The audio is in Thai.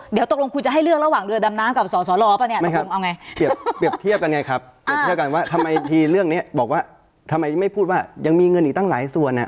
เดี๋ยวตกลงคุณจะให้เลือกระหว่างเรือดำน้ำกับส่อสรแล้วเปล่า